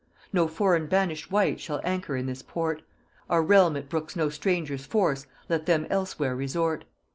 No foreign banish'd wight shall anchor in this port; Our realm it brooks no strangers' force, let them elsewhere resort.